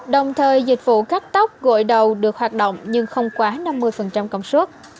đồng thời dịch vụ cắt tóc gội đầu được hoạt động nhưng không quá năm mươi công suất